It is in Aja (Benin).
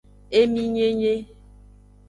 Eminyenye.